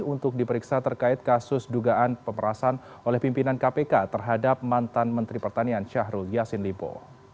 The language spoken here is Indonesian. untuk diperiksa terkait kasus dugaan pemerasan oleh pimpinan kpk terhadap mantan menteri pertanian syahrul yassin limpo